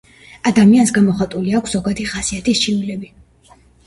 ადამიანს გამოხატული აქვს ზოგადი ხასიათის ჩივილები.